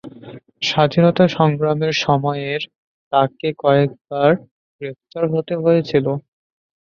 স্বাধীনতা সংগ্রামের সময়ের তাকে কয়েকবার গ্রেফতার হতে হয়েছিল।